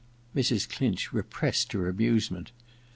Mrs. Clinch repressed her amusement.